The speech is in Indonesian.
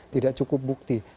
tidak cukup bukti